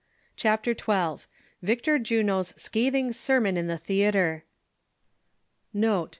CHAPTER XII. VICTOR jrNO'S SCATHING SERMON IN THE THEATRE. (JfOTE.